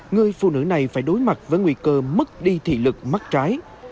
người phụ nữ này phải đối mặt với nguy cơ mất đi thị lực mắc trái